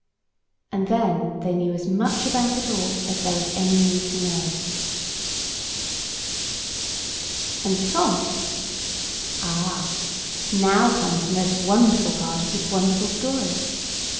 And then they knew as much about it all as there was any need to know. And Tom? Ah, now comes the most wonderful part of this wonderful story.